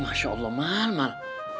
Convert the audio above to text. masya allah mal mal